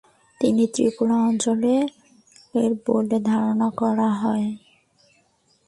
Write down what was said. তিনি ত্রিপুরা অঞ্চলের বলে ধারণা করা হয়।